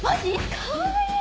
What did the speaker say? かわいい！